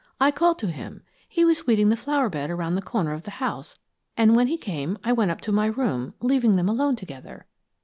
I called to him he was weeding the flowerbed around the corner of the house and when he came, I went up to my room, leaving them alone together.